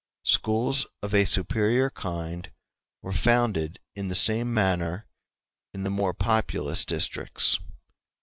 Schools of a superior kind were founded in the same manner in the more populous districts.